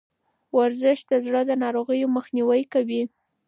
ورزش د زړه د ناروغیو مخنیوی کوي.